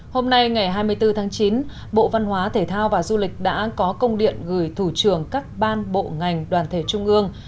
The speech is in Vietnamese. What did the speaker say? hôm nay ngày hai mươi bốn tháng chín bộ văn hóa thể thao và du lịch đã có công điện gửi thủ trưởng các ban bộ ngành đoàn thể trung ương